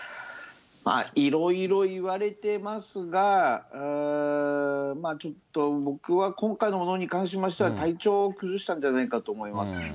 いろいろいわれてますが、ちょっと僕は今回のものに関しましては、体調を崩したんじゃないかと思います。